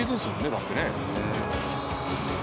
だってね。